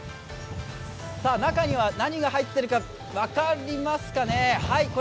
中には何が入ってるか分かりますかね？